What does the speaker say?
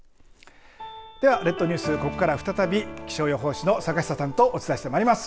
では列島ニュース、ここからは再び気象予報士の坂下さんとお伝えしてまいります。